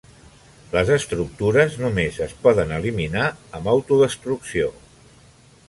Les estructures només es poden eliminar amb autodestrucció.